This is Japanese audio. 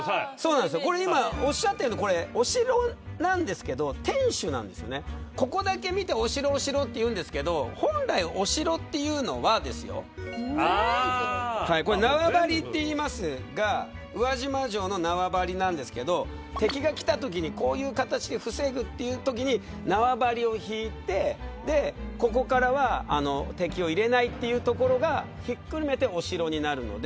今、おっしゃっているのお城なんですけど天守なんですよね、ここだけ見てお城と言うんですけど本来、お城というのは縄張りって言いますが宇和島城の縄張りなんですけど敵が来たときにこういう形で防ぐというときに縄張りを引いてここからは敵を入れないというところがひっくるめてお城になるので。